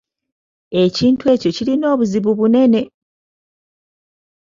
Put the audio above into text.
Ekintu ekyo kirina obuzibu bunene.